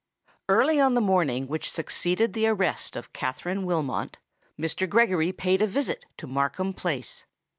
Early on the morning which succeeded the arrest of Katharine Wilmot, Mr. Gregory paid a visit to Markham Place.